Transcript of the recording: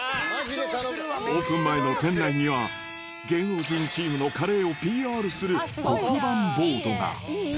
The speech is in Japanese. オープン前の店内には、芸能人チームのカレーをＰＲする黒板ボードが。